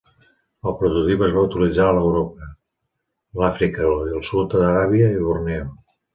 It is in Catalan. El prototip es va utilitzar a Europa, l'Àfrica, el sud d'Aràbia i Borneo.